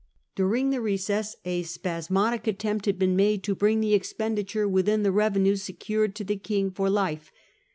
During the recess a spasmodic attempt had been made to bring the expenditure within the revenue secured to the King for life.